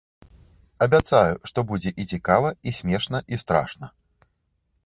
Абяцаю, што будзе і цікава, і смешна, і страшна.